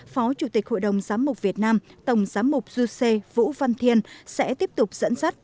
phó chủ tịch hội đồng giám mục việt nam tổng giám mục du sê vũ văn thiên sẽ tiếp tục dẫn dắt